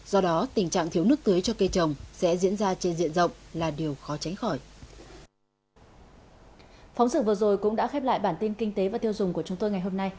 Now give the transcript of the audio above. do đó tình trạng thiếu nước tưới cho cây trồng sẽ diễn ra trên diện rộng là điều khó tránh khỏi